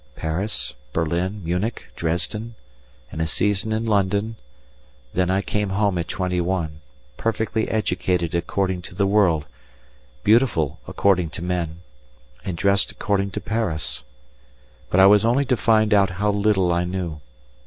Paris, Berlin, Munich, Dresden, and a season in London, then I came home at twenty one, perfectly educated according to the world, beautiful according to men, and dressed according to Paris. But I was only to find out how little I knew.